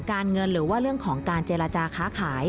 เงินหรือว่าเรื่องของการเจรจาค้าขาย